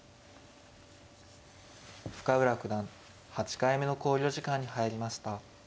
深浦九段８回目の考慮時間に入りました。